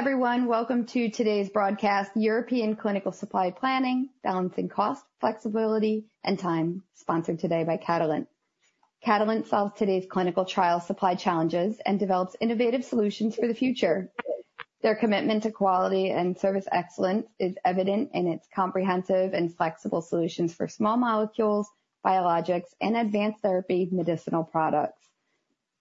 Hello everyone, welcome to today's broadcast, European Clinical Supply Planning: Balancing Cost, Flexibility, and Time, sponsored today by Catalent. Catalent solves today's clinical trial supply challenges and develops innovative solutions for the future. Their commitment to quality and service excellence is evident in its comprehensive and flexible solutions for small molecules, biologics, and advanced therapy medicinal products.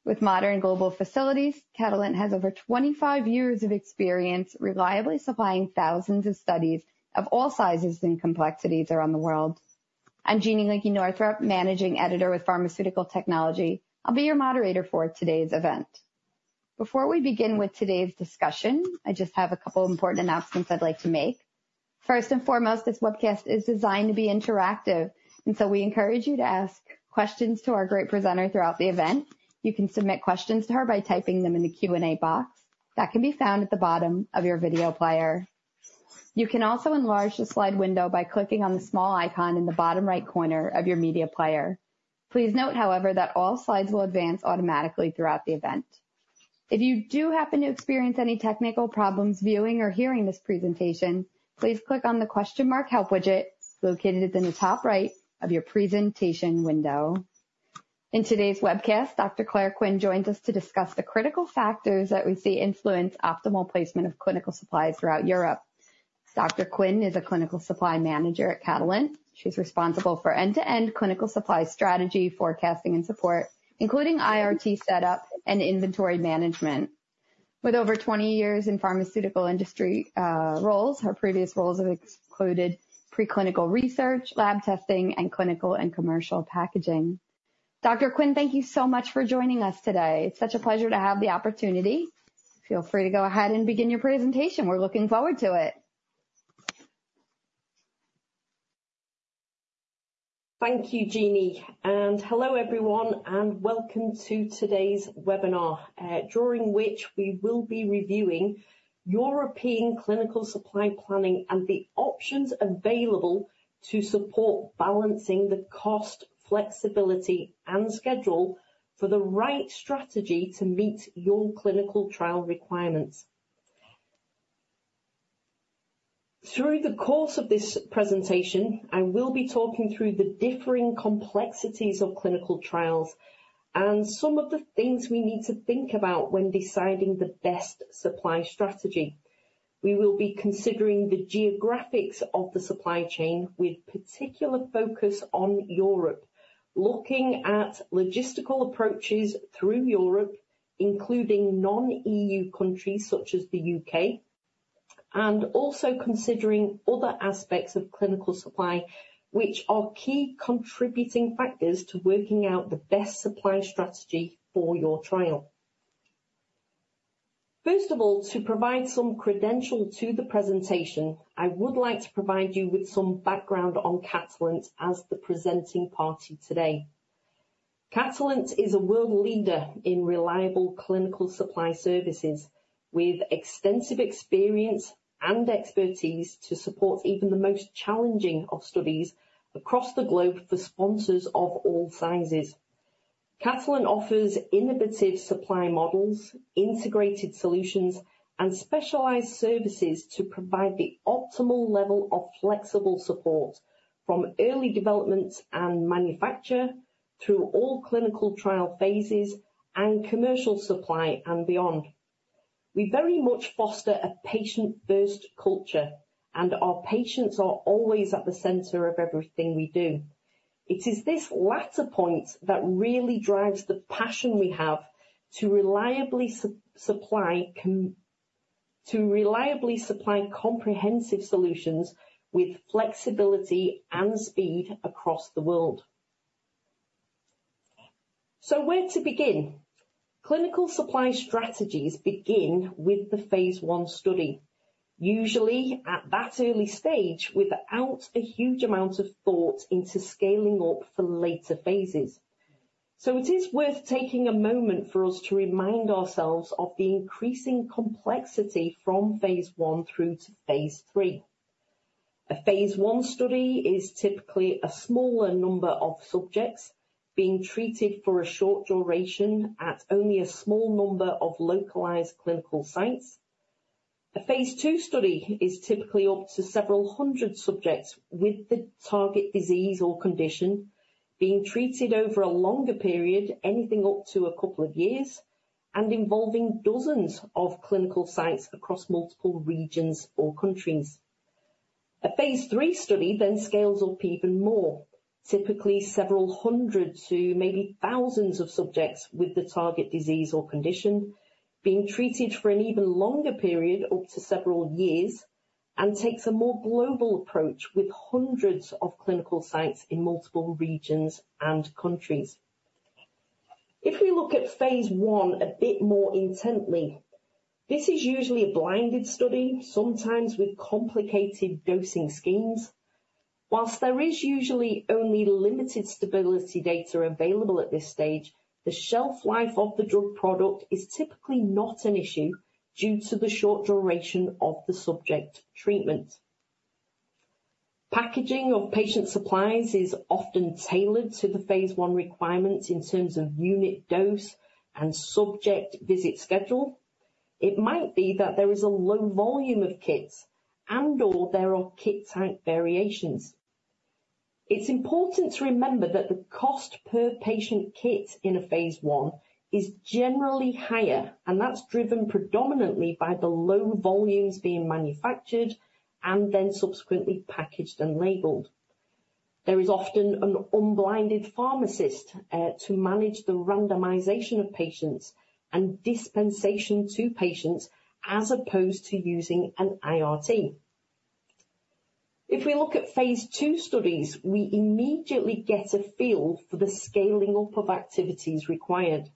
With modern global facilities, Catalent has over 25 years of experience reliably supplying thousands of studies of all sizes and complexities around the world. I'm Jeanne Linke Northrop, Managing Editor with Pharmaceutical Technology. I'll be your moderator for today's event. Before we begin with today's discussion, I just have a couple of important announcements I'd like to make. First and foremost, this webcast is designed to be interactive, and so we encourage you to ask questions to our great presenter throughout the event. You can submit questions to her by typing them in the Q&A box that can be found at the bottom of your video player. You can also enlarge the slide window by clicking on the small icon in the bottom right corner of your media player. Please note, however, that all slides will advance automatically throughout the event. If you do happen to experience any technical problems viewing or hearing this presentation, please click on the question mark help widget located in the top right of your presentation window. In today's webcast, Dr. Claire Quinn joins us to discuss the critical factors that we see influence optimal placement of clinical supplies throughout Europe. Dr. Quinn is a Clinical Supply Manager at Catalent. She's responsible for end-to-end clinical supply strategy, forecasting, and support, including IRT setup and inventory management. With over 20 years in pharmaceutical industry roles, her previous roles have included preclinical research, lab testing, and clinical and commercial packaging. Dr. Quinn, thank you so much for joining us today. It's such a pleasure to have the opportunity. Feel free to go ahead and begin your presentation. We're looking forward to it. Thank you, Jeanne. Hello everyone, and welcome to today's webinar, during which we will be reviewing European clinical supply planning and the options available to support balancing the cost, flexibility, and schedule for the right strategy to meet your clinical trial requirements. Through the course of this presentation, I will be talking through the differing complexities of clinical trials and some of the things we need to think about when deciding the best supply strategy. We will be considering the geographies of the supply chain with particular focus on Europe, looking at logistical approaches through Europe, including non-E.U. countries such as the U.K., and also considering other aspects of clinical supply which are key contributing factors to working out the best supply strategy for your trial. First of all, to provide some credential to the presentation, I would like to provide you with some background on Catalent as the presenting party today. Catalent is a world leader in reliable clinical supply services, with extensive experience and expertise to support even the most challenging of studies across the globe for sponsors of all sizes. Catalent offers innovative supply models, integrated solutions, and specialized services to provide the optimal level of flexible support from early development and manufacture through all clinical trial phases and commercial supply and beyond. We very much foster a patient-first culture, and our patients are always at the center of everything we do. It is this latter point that really drives the passion we have to reliably supply comprehensive solutions with flexibility and speed across the world. So, where to begin? Clinical supply strategies begin with the Phase I study, usually at that early stage, without a huge amount of thought into scaling up for later phases. So, it is worth taking a moment for us to remind ourselves of the increasing complexity from Phase I through to Phase III-A, Phase I study is typically a smaller number of subjects being treated for a short duration at only a small number of localized clinical sites. A Phase II study is typically up to several hundred subjects, with the target disease or condition being treated over a longer period, anything up to a couple of years, and involving dozens of clinical sites across multiple regions or countries. A Phase III study then scales up even more, typically several hundred to maybe thousands of subjects, with the target disease or condition being treated for an even longer period, up to several years, and takes a more global approach, with hundreds of clinical sites in multiple regions and countries. If we look at Phase I a bit more intently, this is usually a blinded study, sometimes with complicated dosing schemes. While there is usually only limited stability data available at this stage, the shelf life of the drug product is typically not an issue due to the short duration of the subject treatment. Packaging of patient supplies is often tailored to the Phase I requirements in terms of unit dose and subject visit schedule. It might be that there is a low volume of kits, and/or there are kit type variations. It's important to remember that the cost per patient kit in a Phase I is generally higher, and that's driven predominantly by the low volumes being manufactured and then subsequently packaged and labeled. There is often an unblinded pharmacist to manage the randomization of patients and dispensation to patients, as opposed to using an IRT. If we look at Phase II studies, we immediately get a feel for the scaling up of activities required.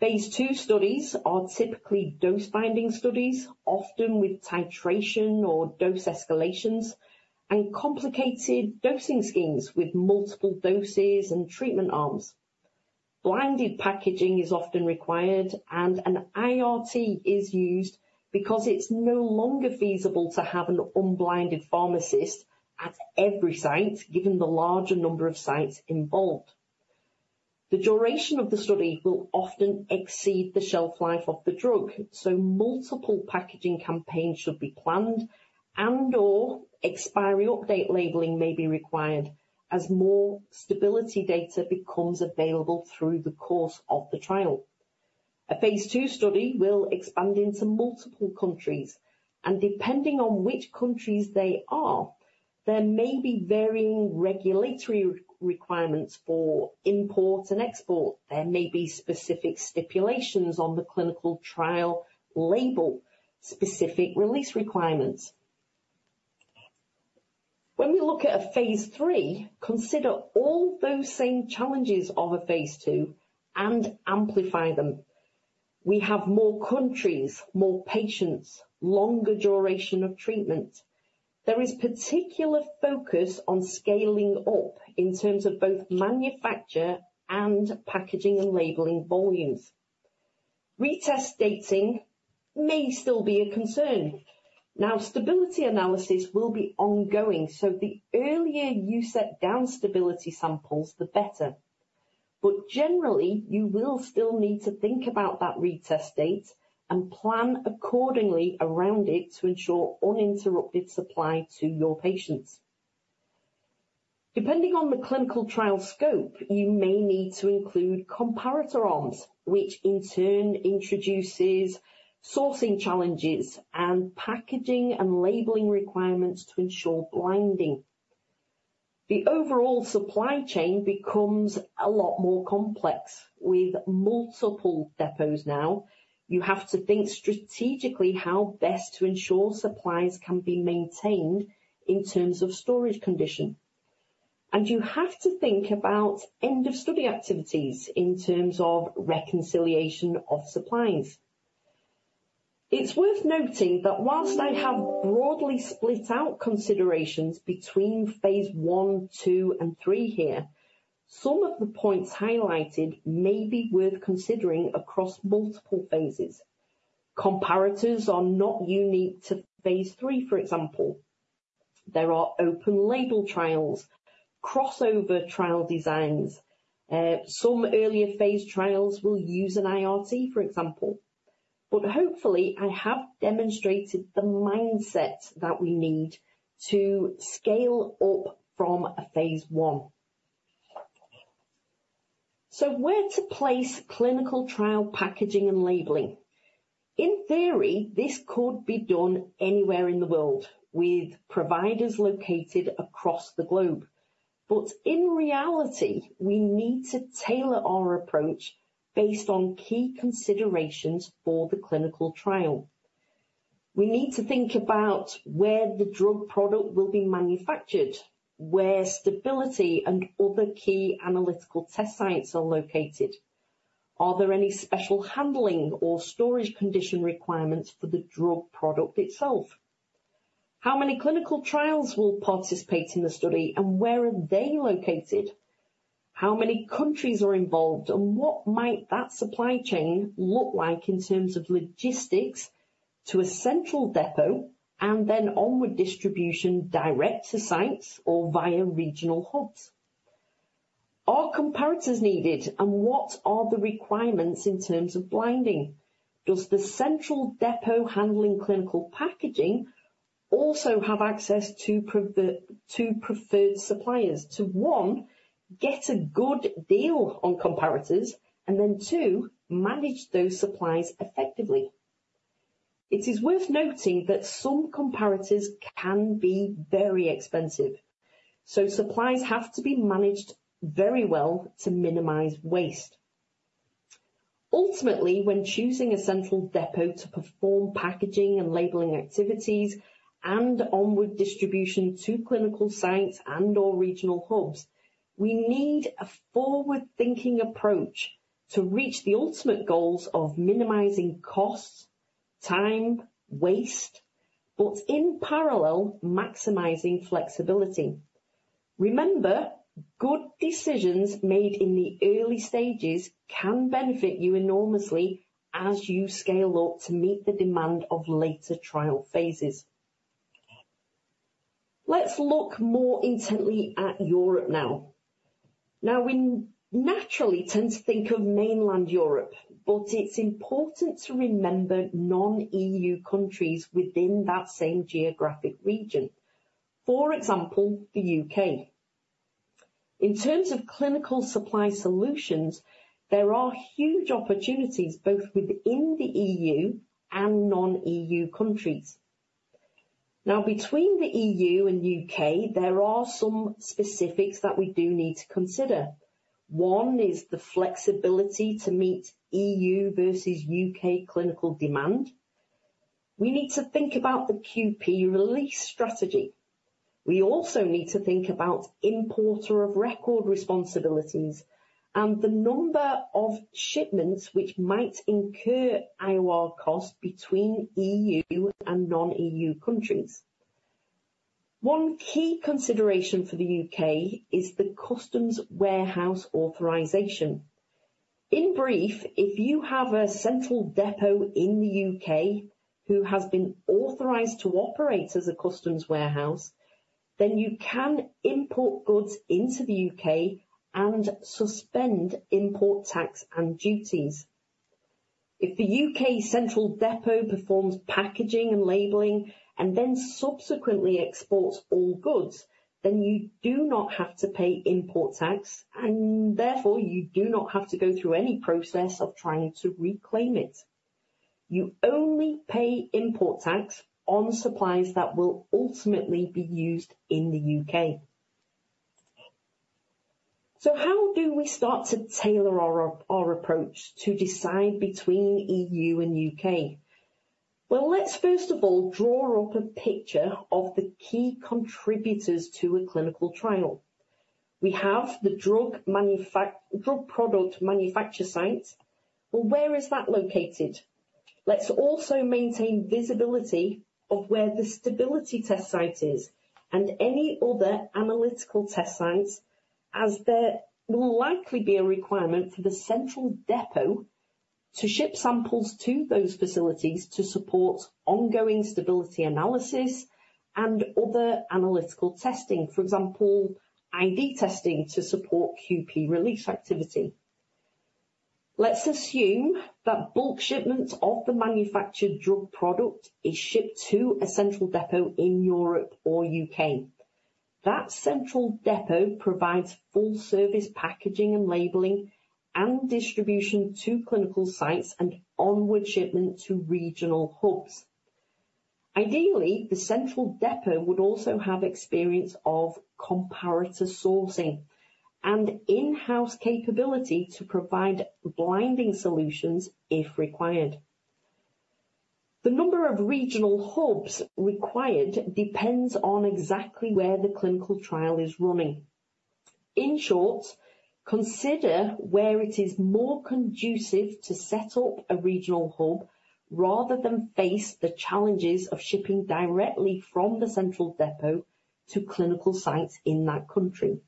Phase II studies are typically dose-finding studies, often with titration or dose escalations, and complicated dosing schemes with multiple doses and treatment arms. Blinded packaging is often required, and an IRT is used because it's no longer feasible to have an unblinded pharmacist at every site, given the larger number of sites involved. The duration of the study will often exceed the shelf life of the drug, so multiple packaging campaigns should be planned, and/or expiry update labeling may be required as more stability data becomes available through the course of the trial. A Phase II study will expand into multiple countries, and depending on which countries they are, there may be varying regulatory requirements for import and export. There may be specific stipulations on the clinical trial label, specific release requirements. When we look at a Phase III, consider all those same challenges of a Phase II and amplify them. We have more countries, more patients, longer duration of treatment. There is particular focus on scaling up in terms of both manufacture and packaging and labeling volumes. Retest dating may still be a concern. Now, stability analysis will be ongoing, so the earlier you set down stability samples, the better. But generally, you will still need to think about that retest date and plan accordingly around it to ensure uninterrupted supply to your patients. Depending on the clinical trial scope, you may need to include comparator arms, which in turn introduces sourcing challenges and packaging and labeling requirements to ensure blinding. The overall supply chain becomes a lot more complex, with multiple depots now. You have to think strategically how best to ensure supplies can be maintained in terms of storage condition, and you have to think about end-of-study activities in terms of reconciliation of supplies. It's worth noting that while I have broadly split out considerations between Phase I, II, and III here, some of the points highlighted may be worth considering across multiple phases. Comparators are not unique to Phase III, for example. There are open label trials, crossover trial designs. Some earlier phase trials will use an IRT, for example. But hopefully, I have demonstrated the mindset that we need to scale up from a Phase I. So, where to place clinical trial packaging and labelling? In theory, this could be done anywhere in the world, with providers located across the globe. But in reality, we need to tailor our approach based on key considerations for the clinical trial. We need to think about where the drug product will be manufactured, where stability and other key analytical test sites are located. Are there any special handling or storage condition requirements for the drug product itself? How many clinical trials will participate in the study, and where are they located? How many countries are involved, and what might that supply chain look like in terms of logistics to a central depot and then onward distribution direct to sites or via regional hubs? Are comparators needed, and what are the requirements in terms of blinding? Does the central depot handling clinical packaging also have access to preferred suppliers to, one, get a good deal on comparators, and then, two, manage those supplies effectively? It is worth noting that some comparators can be very expensive, so supplies have to be managed very well to minimize waste. Ultimately, when choosing a central depot to perform packaging and labeling activities and onward distribution to clinical sites and/or regional hubs, we need a forward-thinking approach to reach the ultimate goals of minimizing costs, time, waste, but in parallel, maximizing flexibility. Remember, good decisions made in the early stages can benefit you enormously as you scale up to meet the demand of later trial phases. Let's look more intently at Europe now. Now, we naturally tend to think of mainland Europe, but it's important to remember non-E.U countries within that same geographic region, for example, the U.K.. In terms of clinical supply solutions, there are huge opportunities both within the E.U. and non-E.U. countries. Now, between the E.U. and U.K., there are some specifics that we do need to consider. One is the flexibility to meet E.U. versus U.K. clinical demand. We need to think about the QP release strategy. We also need to think about Importer of Record responsibilities and the number of shipments which might incur IOR costs between E.U. and non-E.U. countries. One key consideration for the U.K. is the Customs Warehouse Authorisation. In brief, if you have a central depot in the U.K. who has been authorized to operate as a customs warehouse, then you can import goods into the U.K. and suspend import tax and duties. If the U.K. central depot performs packaging and labeling and then subsequently exports all goods, then you do not have to pay import tax, and therefore you do not have to go through any process of trying to reclaim it. You only pay import tax on supplies that will ultimately be used in the U.K.. So, how do we start to tailor our approach to decide between E.U. and U.K.? Well, let's first of all draw up a picture of the key contributors to a clinical trial. We have the drug product manufacture site. Well, where is that located? Let's also maintain visibility of where the stability test site is and any other analytical test sites, as there will likely be a requirement for the central depot to ship samples to those facilities to support ongoing stability analysis and other analytical testing, for example, ID testing to support QP release activity. Let's assume that bulk shipment of the manufactured drug product is shipped to a central depot in Europe or U.K.. That central depot provides full-service packaging and labeling and distribution to clinical sites and onward shipment to regional hubs. Ideally, the central depot would also have experience of comparator sourcing and in-house capability to provide blinding solutions if required. The number of regional hubs required depends on exactly where the clinical trial is running. In short, consider where it is more conducive to set up a regional hub rather than face the challenges of shipping directly from the central depot to clinical sites in that country.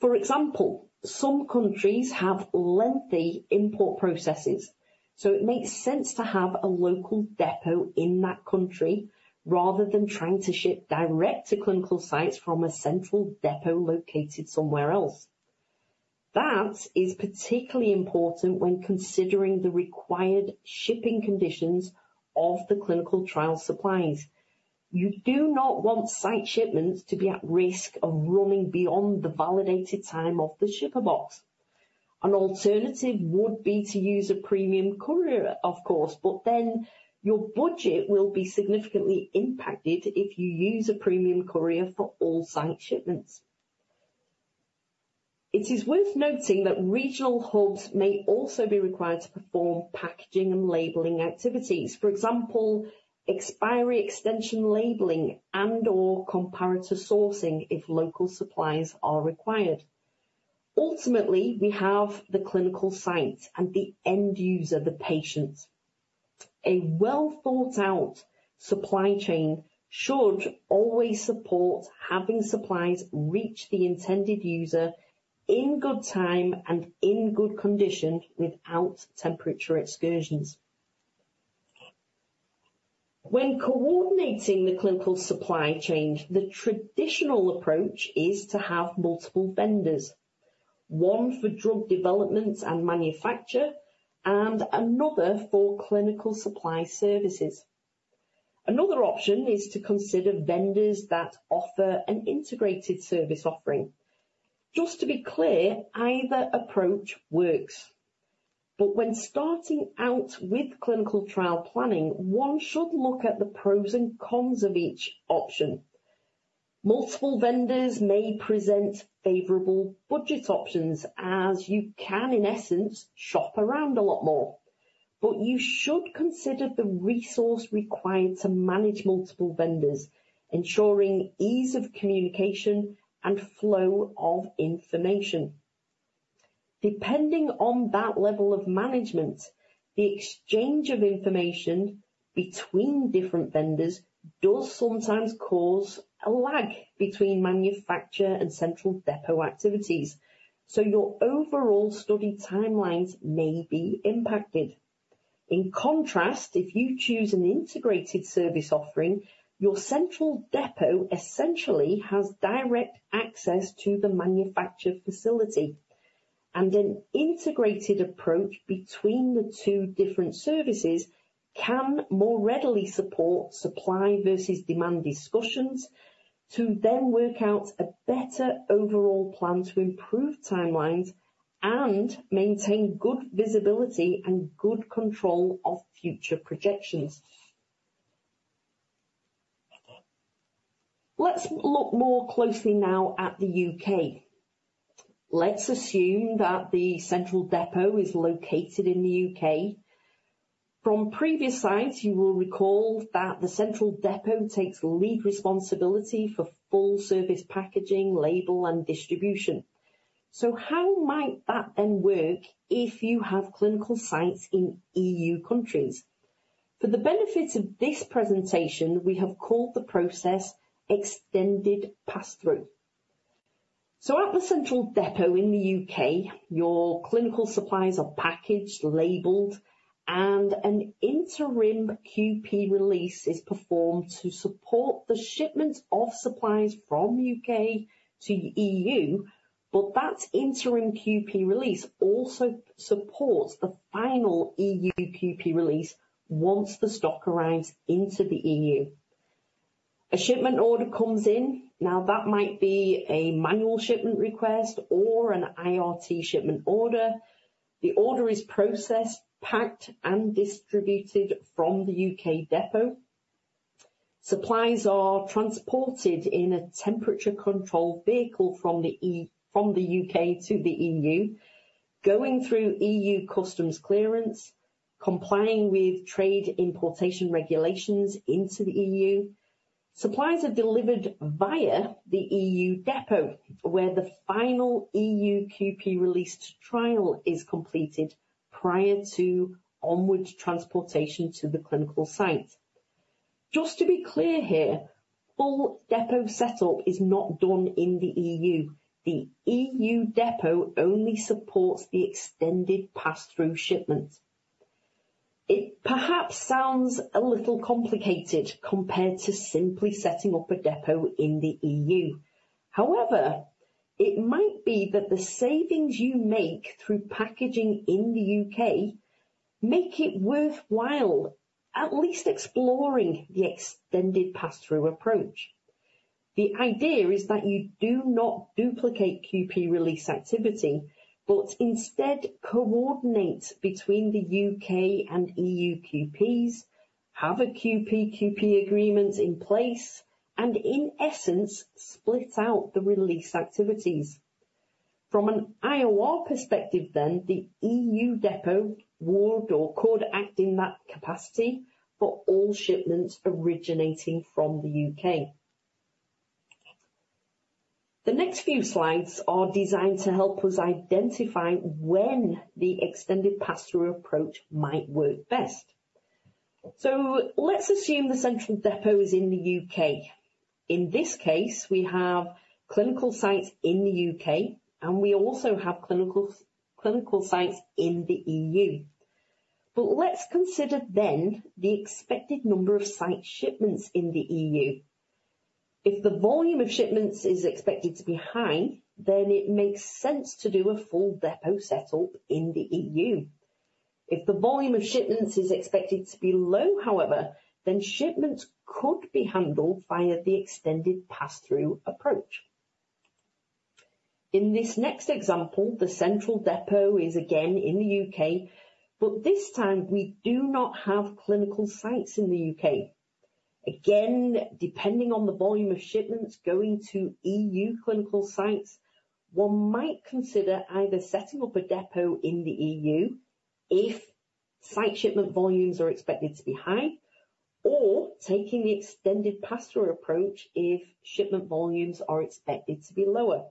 For example, some countries have lengthy import processes, so it makes sense to have a local depot in that country rather than trying to ship direct to clinical sites from a central depot located somewhere else. That is particularly important when considering the required shipping conditions of the clinical trial supplies. You do not want site shipments to be at risk of running beyond the validated time of the shipper box. An alternative would be to use a premium courier, of course, but then your budget will be significantly impacted if you use a premium courier for all site shipments. It is worth noting that regional hubs may also be required to perform packaging and labeling activities, for example, expiry extension labeling and/or comparator sourcing if local supplies are required. Ultimately, we have the clinical site and the end user, the patient. A well-thought-out supply chain should always support having supplies reach the intended user in good time and in good condition without temperature excursions. When coordinating the clinical supply chain, the traditional approach is to have multiple vendors: one for drug development and manufacture, and another for clinical supply services. Another option is to consider vendors that offer an integrated service offering. Just to be clear, either approach works. But when starting out with clinical trial planning, one should look at the pros and cons of each option. Multiple vendors may present favorable budget options, as you can, in essence, shop around a lot more. But you should consider the resource required to manage multiple vendors, ensuring ease of communication and flow of information. Depending on that level of management, the exchange of information between different vendors does sometimes cause a lag between manufacturing and central depot activities, so your overall study timelines may be impacted. In contrast, if you choose an integrated service offering, your central depot essentially has direct access to the manufacturing facility, and an integrated approach between the two different services can more readily support supply versus demand discussions to then work out a better overall plan to improve timelines and maintain good visibility and good control of future projections. Let's look more closely now at the U.K.. Let's assume that the central depot is located in the U.K.. From previous sites, you will recall that the central depot takes lead responsibility for full-service packaging, labeling, and distribution. So, how might that then work if you have clinical sites in E.U. countries? For the benefit of this presentation, we have called the process Extended Pass-Through. So, at the central depot in the U.K., your clinical supplies are packaged, labelled, and an interim QP release is performed to support the shipment of supplies from the U.K. to the E.U., but that interim QP release also supports the final E.U. QP release once the stock arrives into the E.U.. A shipment order comes in. Now, that might be a manual shipment request or an IRT shipment order. The order is processed, packed, and distributed from the UK depot. Supplies are transported in a temperature-controlled vehicle from the U.K. to the E.U., going through E.U. customs clearance, complying with trade importation regulations into the E.U.. Supplies are delivered via the E.U. depot, where the final E.U. QP release trial is completed prior to onward transportation to the clinical site. Just to be clear here, full depot setup is not done in the E.U.. The E.U. depot only supports the extended pass-through shipment. It perhaps sounds a little complicated compared to simply setting up a depot in the E.U.. However, it might be that the savings you make through packaging in the U.K. make it worthwhile, at least exploring the extended pass-through approach. The idea is that you do not duplicate QP release activity, but instead coordinate between the U.K. and E.U. QPs, have a QP/QP agreement in place, and in essence, split out the release activities. From an IOR perspective, then, the E.U. depot would or could act in that capacity for all shipments originating from the U.K.. The next few slides are designed to help us identify when the extended pass-through approach might work best. So, let's assume the central depot is in the U.K. In this case, we have clinical sites in the U.K., and we also have clinical sites in the E.U. But let's consider then the expected number of site shipments in the E.U. If the volume of shipments is expected to be high, then it makes sense to do a full depot setup in the E.U. If the volume of shipments is expected to be low, however, then shipments could be handled via the extended pass-through approach. In this next example, the central depot is again in the U.K., but this time we do not have clinical sites in the U.K. Again, depending on the volume of shipments going to E.U. clinical sites, one might consider either setting up a depot in the E.U. if site shipment volumes are expected to be high, or taking the extended pass-through approach if shipment volumes are expected to be lower.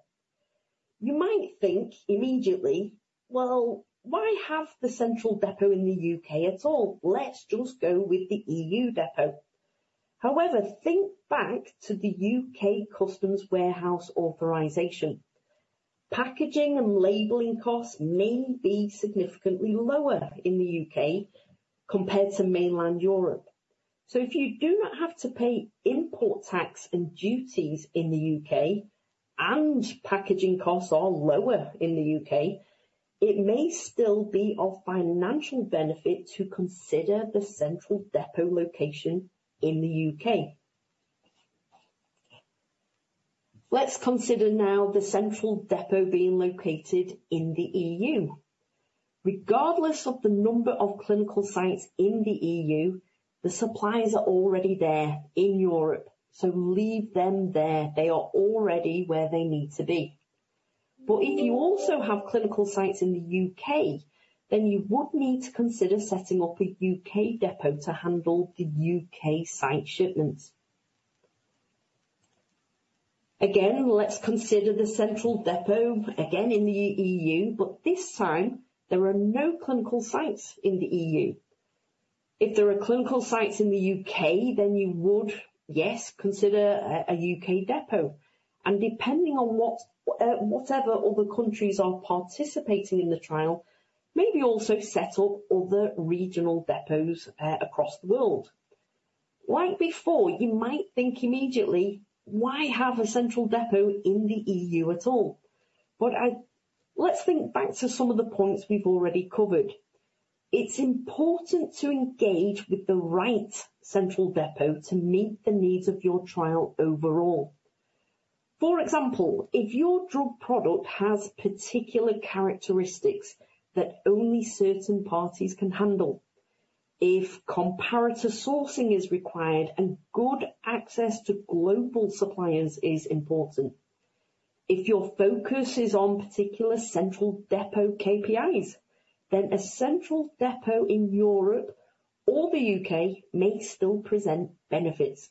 You might think immediately, "Well, why have the central depot in the U.K. at all? Let's just go with the E.U. depot." However, think back to the U.K. Customs Warehouse Authorisation. Packaging and labelling costs may be significantly lower in the U.K. compared to mainland Europe, so if you do not have to pay import tax and duties in the U.K., and packaging costs are lower in the U.K., it may still be of financial benefit to consider the central depot location in the U.K.. Let's consider now the central depot being located in the E.U.. Regardless of the number of clinical sites in the E.U., the supplies are already there in Europe, so leave them there. They are already where they need to be. But if you also have clinical sites in the U.K., then you would need to consider setting up a U.K. depot to handle the U.K. site shipments. Again, let's consider the central depot again in the E.U., but this time there are no clinical sites in the E.U.. If there are clinical sites in the U.K., then you would, yes, consider a U.K. depot, and depending on whatever other countries are participating in the trial, maybe also set up other regional depots across the world. Like before, you might think immediately, "Why have a central depot in the E.U. at all?" But let's think back to some of the points we've already covered. It's important to engage with the right central depot to meet the needs of your trial overall. For example, if your drug product has particular characteristics that only certain parties can handle, if comparator sourcing is required and good access to global suppliers is important, if your focus is on particular central depot KPIs, then a central depot in Europe or the U.K. may still present benefits.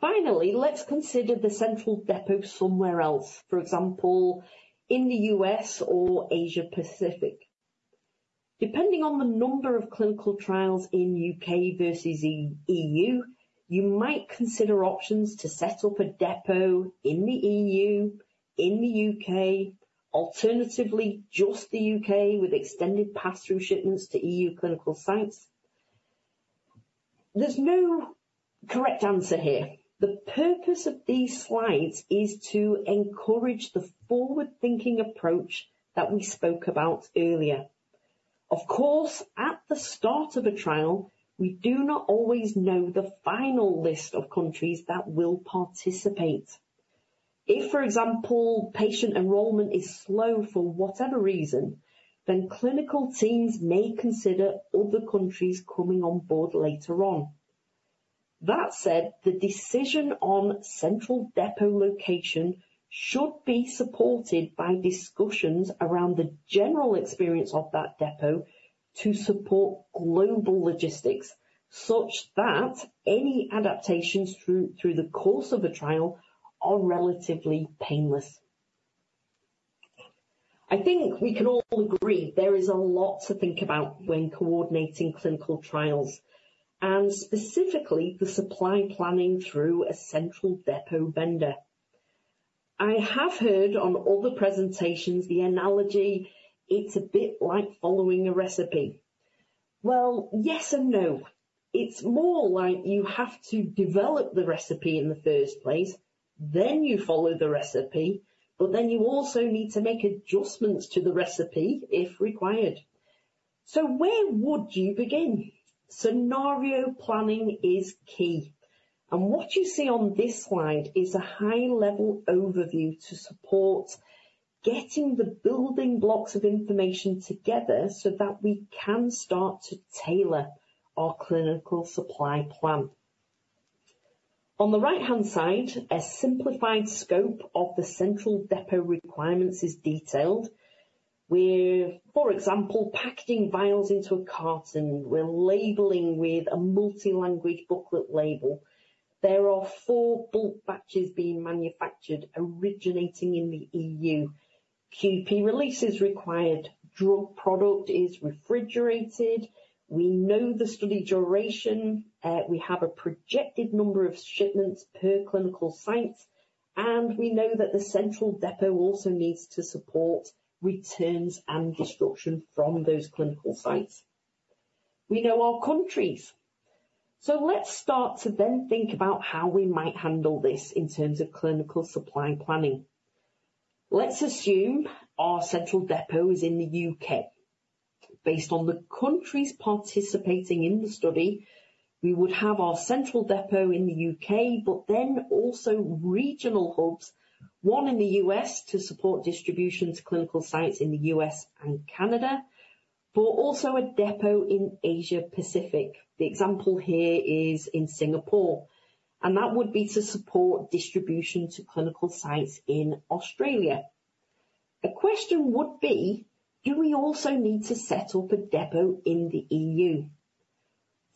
Finally, let's consider the central depot somewhere else, for example, in the U.S. or Asia Pacific. Depending on the number of clinical trials in the U.K. versus the E.U., you might consider options to set up a depot in the E.U., in the U.K., alternatively just the U.K. with extended pass-through shipments to E.U. clinical sites. There's no correct answer here. The purpose of these slides is to encourage the forward-thinking approach that we spoke about earlier. Of course, at the start of a trial, we do not always know the final list of countries that will participate. If, for example, patient enrollment is slow for whatever reason, then clinical teams may consider other countries coming on board later on. That said, the decision on central depot location should be supported by discussions around the general experience of that depot to support global logistics, such that any adaptations through the course of a trial are relatively painless. I think we can all agree there is a lot to think about when coordinating clinical trials, and specifically the supply planning through a central depot vendor. I have heard on other presentations the analogy: "It's a bit like following a recipe." Well, yes and no. It's more like you have to develop the recipe in the first place, then you follow the recipe, but then you also need to make adjustments to the recipe if required. So, where would you begin? Scenario planning is key, and what you see on this slide is a high-level overview to support getting the building blocks of information together so that we can start to tailor our clinical supply plan. On the right-hand side, a simplified scope of the central depot requirements is detailed. We're, for example, packaging vials into a carton. We're labelling with a multilanguage booklet label. There are 4 bulk batches being manufactured originating in the E.U. QP release is required. Drug product is refrigerated. We know the study duration. We have a projected number of shipments per clinical site, and we know that the central depot also needs to support returns and destruction from those clinical sites. We know our countries, so let's start to then think about how we might handle this in terms of clinical supply planning. Let's assume our central depot is in the U.K. Based on the countries participating in the study, we would have our central depot in the U.K., but then also regional hubs, one in the U.S. to support distribution to clinical sites in the U.S. and Canada, but also a depot in Asia Pacific. The example here is in Singapore, and that would be to support distribution to clinical sites in Australia. A question would be: do we also need to set up a depot in the E.U.?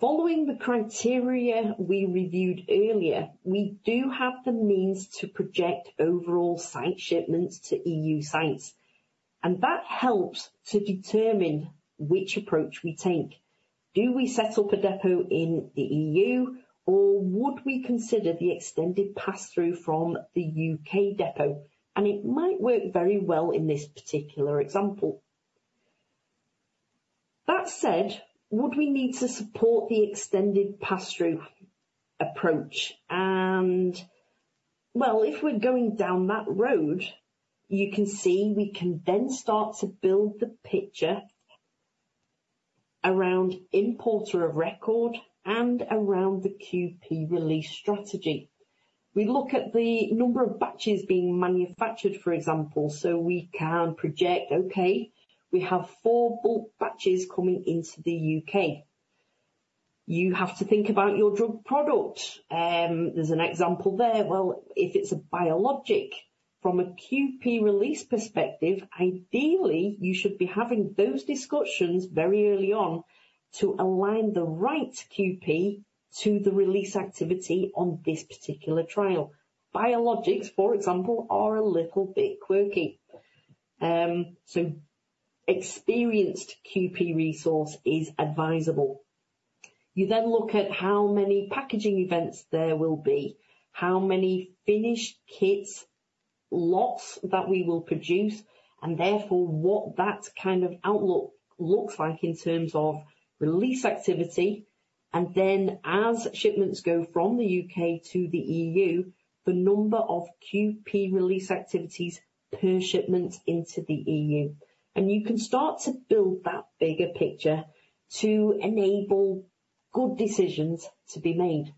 Following the criteria we reviewed earlier, we do have the means to project overall site shipments to E.U. sites, and that helps to determine which approach we take. Do we set up a depot in the E.U., or would we consider the extended pass-through from the U.K. depot? It might work very well in this particular example. That said, would we need to support the extended pass-through approach? Well, if we're going down that road, you can see we can then start to build the picture around importer of record and around the QP release strategy. We look at the number of batches being manufactured, for example, so we can project, "Okay, we have 4 bulk batches coming into the U.K.." You have to think about your drug product. There's an example there. Well, if it's a biologic, from a QP release perspective, ideally you should be having those discussions very early on to align the right QP to the release activity on this particular trial. Biologics, for example, are a little bit quirky, so experienced QP resource is advisable. You then look at how many packaging events there will be, how many finished kits/lots that we will produce, and therefore what that kind of outlook looks like in terms of release activity. And then, as shipments go from the U.K. to the E.U., the number of QP release activities per shipment into the E.U., and you can start to build that bigger picture to enable good decisions to be made.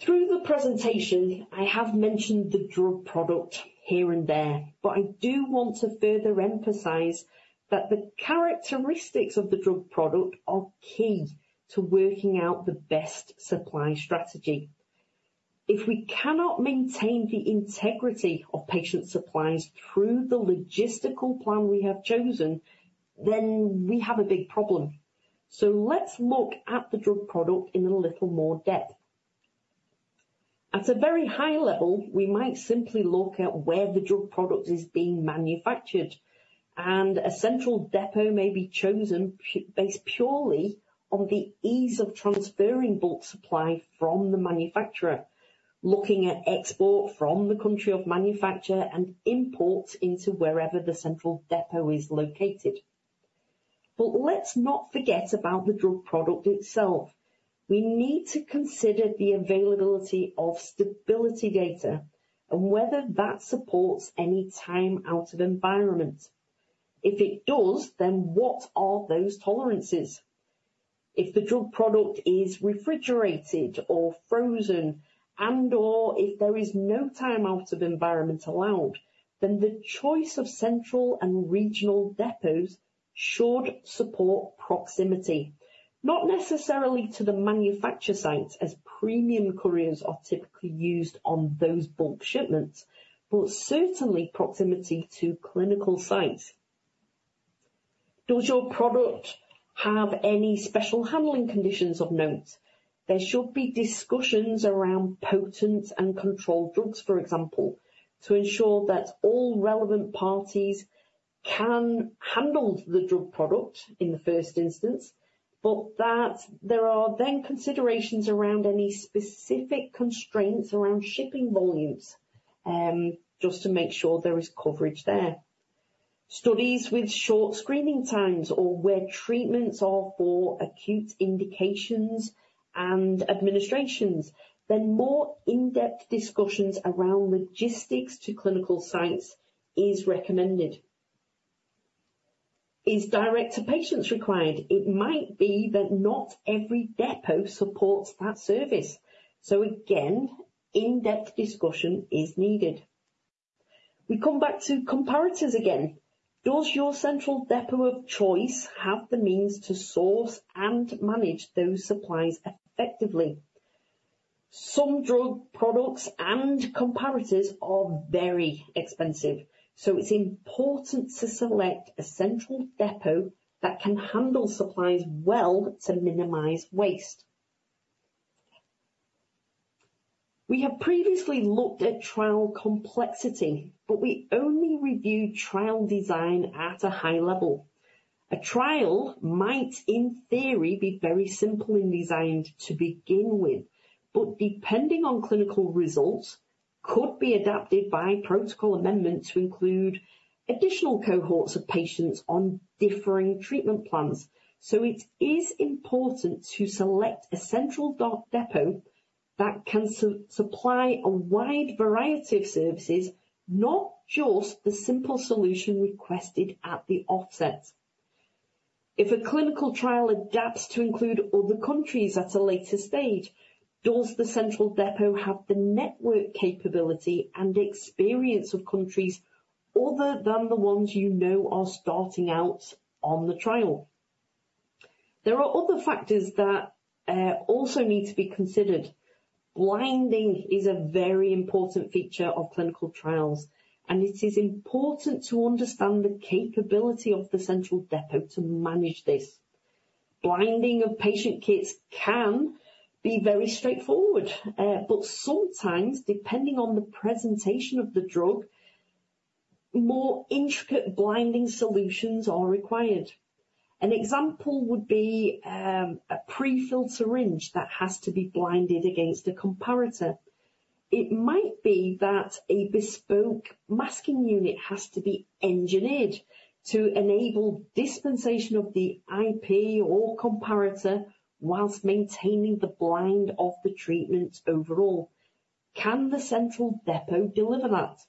Through the presentation, I have mentioned the drug product here and there, but I do want to further emphasize that the characteristics of the drug product are key to working out the best supply strategy. If we cannot maintain the integrity of patient supplies through the logistical plan we have chosen, then we have a big problem. So, let's look at the drug product in a little more depth. At a very high level, we might simply look at where the drug product is being manufactured, and a central depot may be chosen based purely on the ease of transferring bulk supply from the manufacturer, looking at export from the country of manufacture and import into wherever the central depot is located. But let's not forget about the drug product itself. We need to consider the availability of stability data and whether that supports any time-out of environment. If it does, then what are those tolerances? If the drug product is refrigerated or frozen, and/or if there is no time-out of environment allowed, then the choice of central and regional depots should support proximity, not necessarily to the manufacturer site, as premium couriers are typically used on those bulk shipments, but certainly proximity to clinical sites. Does your product have any special handling conditions of note? There should be discussions around potent and controlled drugs, for example, to ensure that all relevant parties can handle the drug product in the first instance, but that there are then considerations around any specific constraints around shipping volumes, just to make sure there is coverage there. Studies with short screening times or where treatments are for acute indications and administrations, then more in-depth discussions around logistics to clinical sites are recommended. Is direct to patients required? It might be that not every depot supports that service, so again, in-depth discussion is needed. We come back to comparators again. Does your central depot of choice have the means to source and manage those supplies effectively? Some drug products and comparators are very expensive, so it's important to select a central depot that can handle supplies well to minimize waste. We have previously looked at trial complexity, but we only reviewed trial design at a high level. A trial might, in theory, be very simply designed to begin with, but depending on clinical results, could be adapted by protocol amendments to include additional cohorts of patients on differing treatment plans. So, it is important to select a central depot that can supply a wide variety of services, not just the simple solution requested at the outset. If a clinical trial adapts to include other countries at a later stage, does the central depot have the network capability and experience of countries other than the ones you know are starting out on the trial? There are other factors that also need to be considered. Blinding is a very important feature of clinical trials, and it is important to understand the capability of the central depot to manage this. Blinding of patient kits can be very straightforward, but sometimes, depending on the presentation of the drug, more intricate blinding solutions are required. An example would be a prefilled syringe that has to be blinded against a comparator. It might be that a bespoke masking unit has to be engineered to enable dispensation of the IP or comparator while maintaining the blind of the treatment overall. Can the central depot deliver that?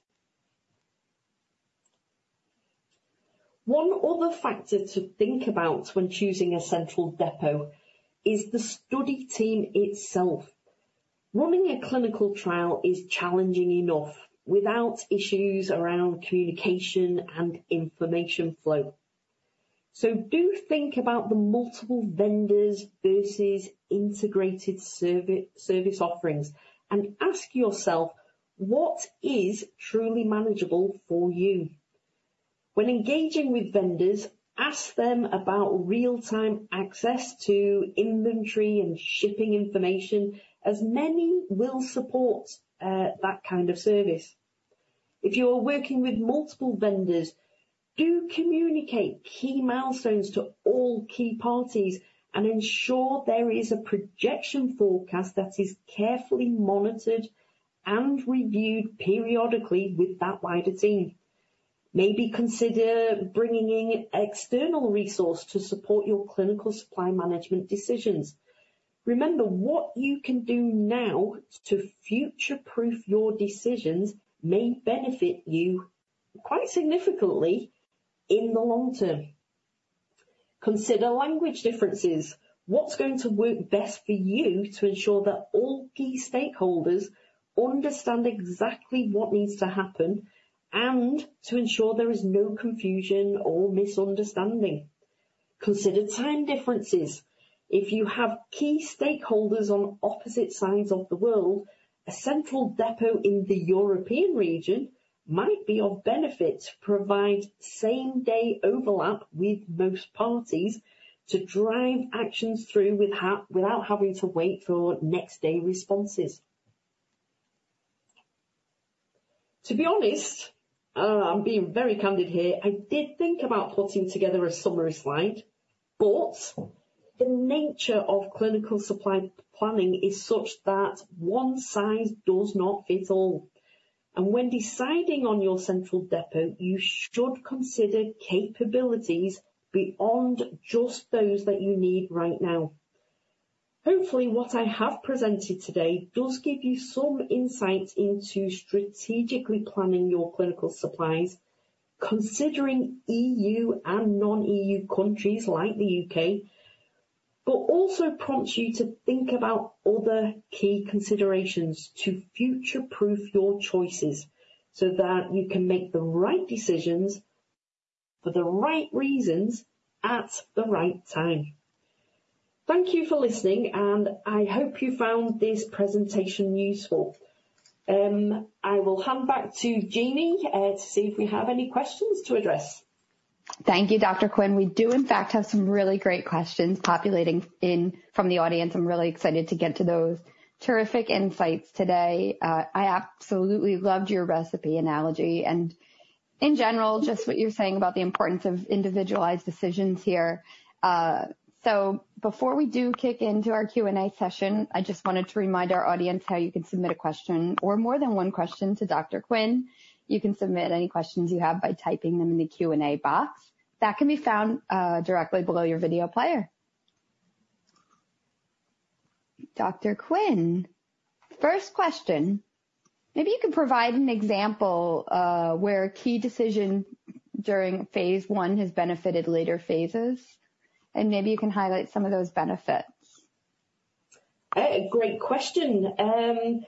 One other factor to think about when choosing a central depot is the study team itself. Running a clinical trial is challenging enough without issues around communication and information flow, so do think about the multiple vendors versus integrated service offerings and ask yourself what is truly manageable for you. When engaging with vendors, ask them about real-time access to inventory and shipping information, as many will support that kind of service. If you are working with multiple vendors, do communicate key milestones to all key parties and ensure there is a projection forecast that is carefully monitored and reviewed periodically with that wider team. Maybe consider bringing in an external resource to support your clinical supply management decisions. Remember, what you can do now to future-proof your decisions may benefit you quite significantly in the long term. Consider language differences: what's going to work best for you to ensure that all key stakeholders understand exactly what needs to happen and to ensure there is no confusion or misunderstanding? Consider time differences: if you have key stakeholders on opposite sides of the world, a central depot in the European region might be of benefit to provide same-day overlap with most parties to drive actions through without having to wait for next-day responses. To be honest, I'm being very candid here, I did think about putting together a summary slide, but the nature of clinical supply planning is such that one size does not fit all, and when deciding on your central depot, you should consider capabilities beyond just those that you need right now. Hopefully, what I have presented today does give you some insight into strategically planning your clinical supplies, considering E.U. and non-E.U. countries like the U.K., but also prompts you to think about other key considerations to future-proof your choices so that you can make the right decisions for the right reasons at the right time. Thank you for listening, and I hope you found this presentation useful. I will hand back to Jeanne to see if we have any questions to address. Thank you, Dr. Quinn. We do, in fact, have some really great questions populating in from the audience. I'm really excited to get to those terrific insights today. I absolutely loved your recipe analogy, and in general, just what you're saying about the importance of individualized decisions here. So, before we do kick into our Q&A session, I just wanted to remind our audience how you can submit a question or more than one question to Dr. Quinn. You can submit any questions you have by typing them in the Q&A box that can be found directly below your video player. Dr. Quinn, first question: maybe you can provide an example of where a key decision during Phase I has benefited later phases, and maybe you can highlight some of those benefits. Great question, and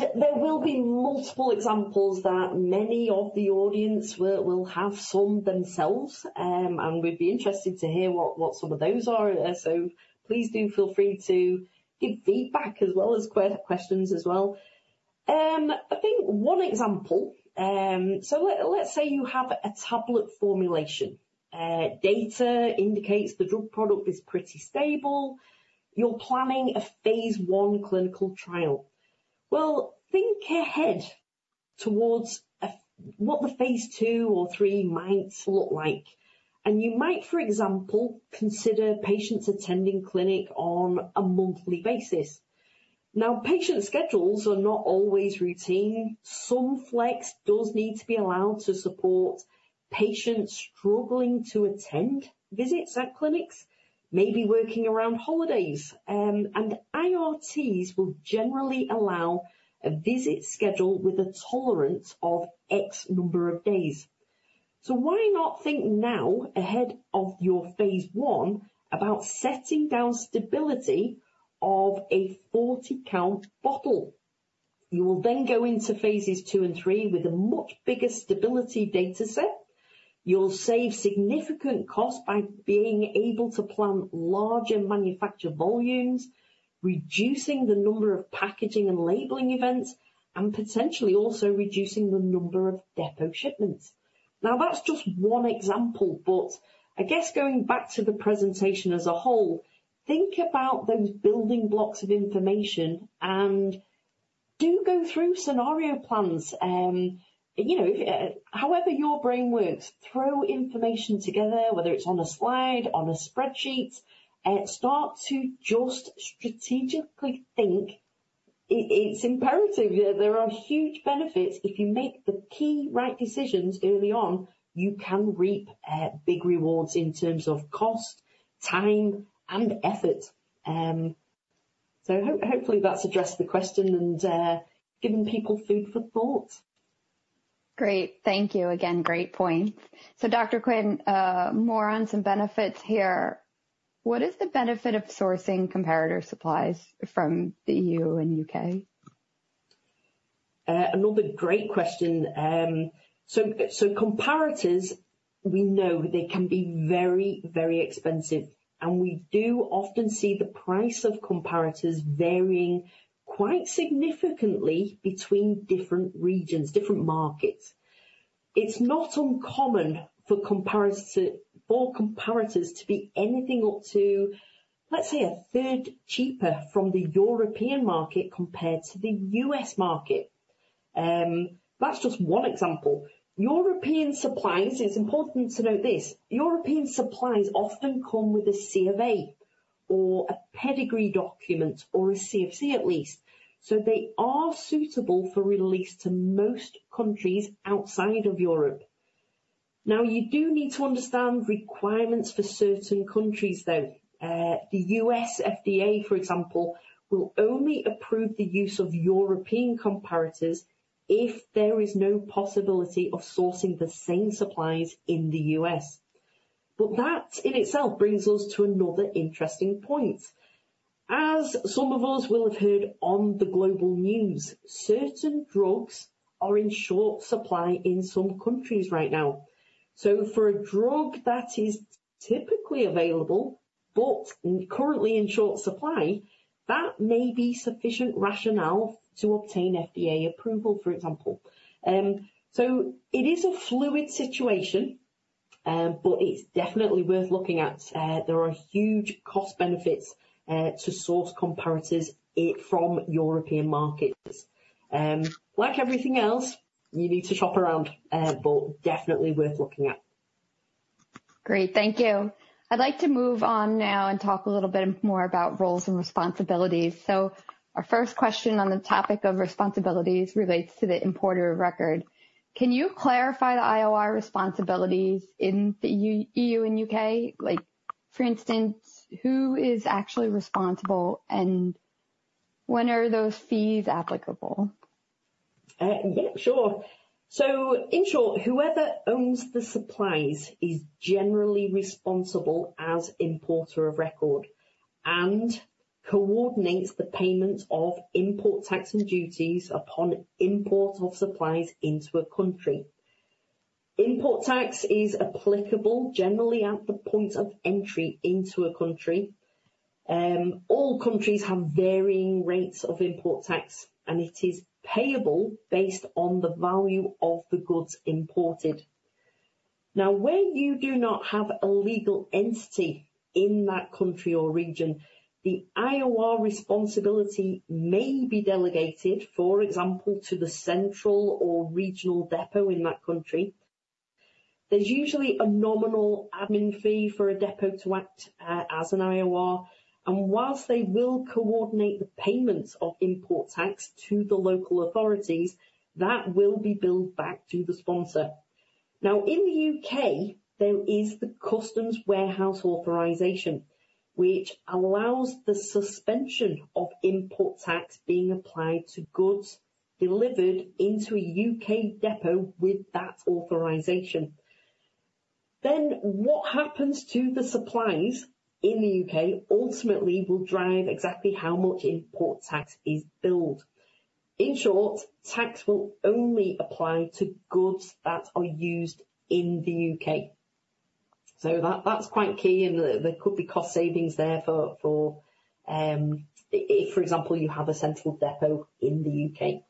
there will be multiple examples that many of the audience will have some themselves, and we'd be interested to hear what some of those are, so please do feel free to give feedback as well as questions as well. I think one example: so let's say you have a tablet formulation. Data indicates the drug product is pretty stable. You're planning a Phase I clinical trial. Well, think ahead towards what the Phase II or III might look like, and you might, for example, consider patients attending clinic on a monthly basis. Now, patient schedules are not always routine. Some flex does need to be allowed to support patients struggling to attend visits at clinics, maybe working around holidays, and IRTs will generally allow a visit schedule with a tolerance of X number of days. So, why not think now, ahead of your Phase I, about setting down stability of a 40-count bottle? You will then go into Phases II and III with a much bigger stability data set. You'll save significant costs by being able to plan larger manufacture volumes, reducing the number of packaging and labeling events, and potentially also reducing the number of depot shipments. Now, that's just one example, but I guess going back to the presentation as a whole, think about those building blocks of information and do go through scenario plans. You know, however your brain works, throw information together, whether it's on a slide, on a spreadsheet, start to just strategically think. It's imperative. There are huge benefits. If you make the key right decisions early on, you can reap big rewards in terms of cost, time, and effort. So hopefully that's addressed the question and given people food for thought. Great, thank you again. Great points. So, Dr. Quinn, more on some benefits here. What is the benefit of sourcing comparator supplies from the E.U. and U.K.? Another great question. So, so comparators, we know they can be very, very expensive, and we do often see the price of comparators varying quite significantly between different regions, different markets. It's not uncommon for comparators to be anything up to, let's say, a third cheaper from the European market compared to the U.S. market. That's just one example. European supplies, it's important to note this, European supplies often come with a CofA or a pedigree document or a CofC at least, so they are suitable for release to most countries outside of Europe. Now, you do need to understand requirements for certain countries, though. The U.S. FDA, for example, will only approve the use of European comparators if there is no possibility of sourcing the same supplies in the U.S. But that in itself brings us to another interesting point. As some of us will have heard on the global news, certain drugs are in short supply in some countries right now. So, for a drug that is typically available but currently in short supply, that may be sufficient rationale to obtain FDA approval, for example. So it is a fluid situation, but it's definitely worth looking at. There are huge cost benefits, to source comparators from European markets. Like everything else, you need to shop around, but definitely worth looking at. Great, thank you. I'd like to move on now and talk a little bit more about roles and responsibilities. So, our first question on the topic of responsibilities relates to the importer of record. Can you clarify the IOR responsibilities in the E.U. and U.K.? Like, for instance, who is actually responsible, and when are those fees applicable? Yeah, sure. So, in short, whoever owns the supplies is generally responsible as importer of record and coordinates the payment of import tax and duties upon import of supplies into a country. Import tax is applicable generally at the point of entry into a country. All countries have varying rates of import tax, and it is payable based on the value of the goods imported. Now, where you do not have a legal entity in that country or region, the IOR responsibility may be delegated, for example, to the central or regional depot in that country. There's usually a nominal admin fee for a depot to act as an IOR, and whilst they will coordinate the payment of import tax to the local authorities, that will be billed back to the sponsor. Now, in the U.K., there is the Customs Warehouse Authorisation, which allows the suspension of import tax being applied to goods delivered into a U.K. depot with that authorisation. Then, what happens to the supplies in the U.K. ultimately will drive exactly how much import tax is billed. In short, tax will only apply to goods that are used in the U.K. So, that's quite key, and there could be cost savings there, for example, if you have a central depot in the U.K.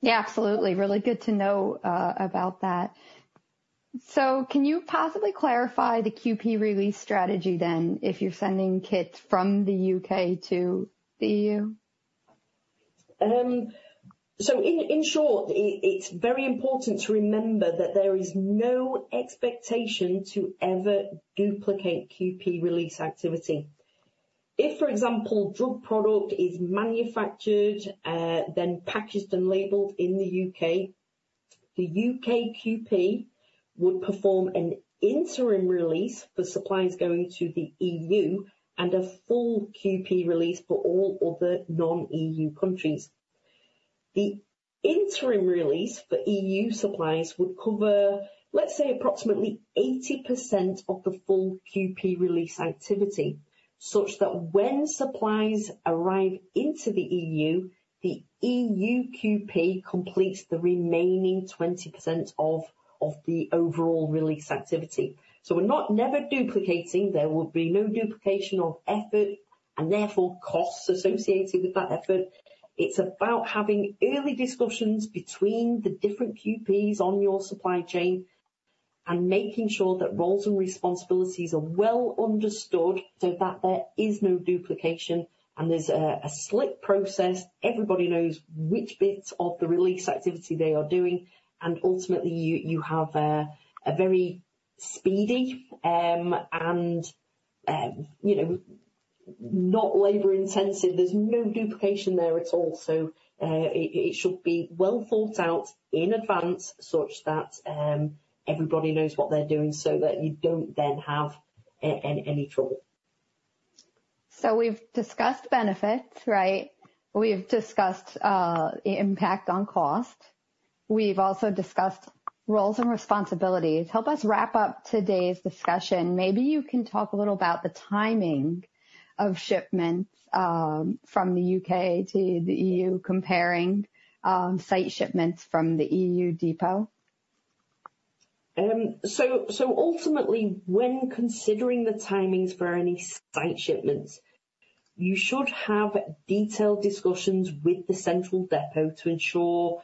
Yeah, absolutely. Really good to know about that. So, can you possibly clarify the QP release strategy then if you're sending kits from the U.K. to the E.U.? So, in short, it's very important to remember that there is no expectation to ever duplicate QP release activity. If, for example, a drug product is manufactured, then packaged and labeled in the U.K., the U.K. QP would perform an interim release for supplies going to the E.U. and a full QP release for all other non-E.U. countries. The interim release for E.U. supplies would cover, let's say, approximately 80% of the full QP release activity, such that when supplies arrive into the EU, the E.U. QP completes the remaining 20% of the overall release activity. So, we're not never duplicating; there will be no duplication of effort and, therefore, costs associated with that effort. It's about having early discussions between the different QPs on your supply chain and making sure that roles and responsibilities are well understood so that there is no duplication and there's a slick process. Everybody knows which bits of the release activity they are doing, and ultimately you have a very speedy and, you know, not labor-intensive. There's no duplication there at all, so it should be well thought out in advance such that everybody knows what they're doing so that you don't then have any trouble. So, we've discussed benefits, right? We've discussed the impact on cost. We've also discussed roles and responsibilities. Help us wrap up today's discussion. Maybe you can talk a little about the timing of shipments from the U.K. to the E.U., comparing site shipments from the E.U. depot. So, so ultimately, when considering the timings for any site shipments, you should have detailed discussions with the central depot to ensure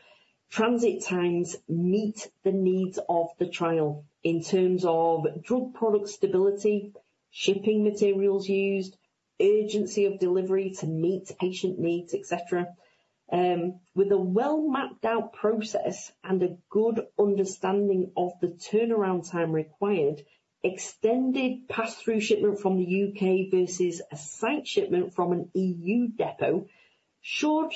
transit times meet the needs of the trial in terms of drug product stability, shipping materials used, urgency of delivery to meet patient needs, etc. With a well-mapped out process and a good understanding of the turnaround time required, extended pass-through shipment from the U.K. versus a site shipment from an E.U. depot should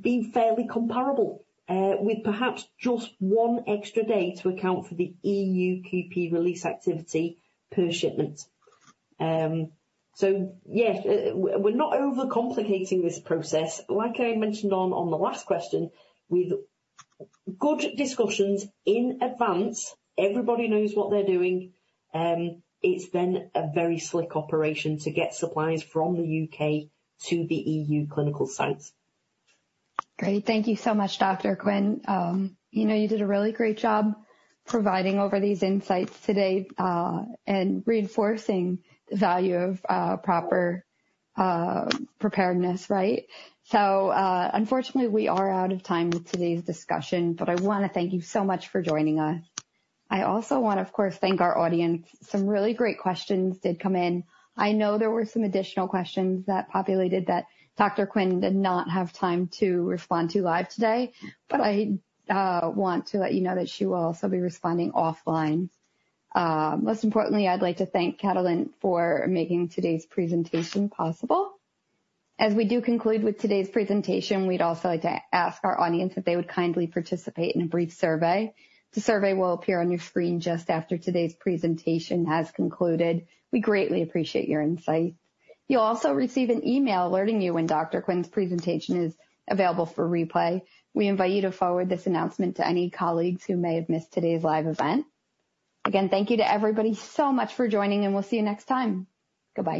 be fairly comparable, with perhaps just one extra day to account for the E.U. QP release activity per shipment. So yeah, we're not overcomplicating this process. Like I mentioned on the last question, with good discussions in advance, everybody knows what they're doing, it's then a very slick operation to get supplies from the U.K. to the E.U. clinical sites. Great, thank you so much, Dr. Quinn. You know, you did a really great job providing over these insights today, and reinforcing the value of proper preparedness, right? So, unfortunately, we are out of time with today's discussion, but I want to thank you so much for joining us. I also want, of course, to thank our audience. Some really great questions did come in. I know there were some additional questions that populated that Dr. Quinn did not have time to respond to live today, but I want to let you know that she will also be responding offline. Most importantly, I'd like to thank Catalent for making today's presentation possible. As we do conclude with today's presentation, we'd also like to ask our audience if they would kindly participate in a brief survey. The survey will appear on your screen just after today's presentation has concluded. We greatly appreciate your insights. You'll also receive an email alerting you when Dr. Quinn's presentation is available for replay. We invite you to forward this announcement to any colleagues who may have missed today's live event. Again, thank you to everybody so much for joining, and we'll see you next time. Goodbye.